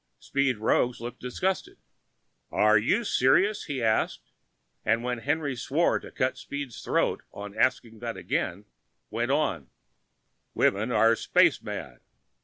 Speed Roggs looked disgusted. "Are you serious?" he asked, and when Henry swore to cut Speed's throat on asking that again, went on, "Women are space mad!"